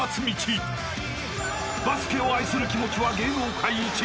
［バスケを愛する気持ちは芸能界一］